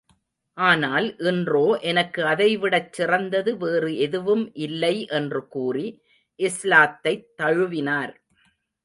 ஆனால் இன்றோ எனக்கு அதை விடச் சிறந்தது வேறு எதுவும் இல்லை என்று கூறி இஸ்லாத்தைத் தழுவினார்.